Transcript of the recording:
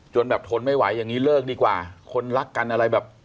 แบบทนไม่ไหวอย่างนี้เลิกดีกว่าคนรักกันอะไรแบบ